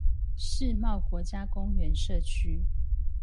世貿國家公園社區